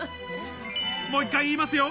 もう１回言いますよ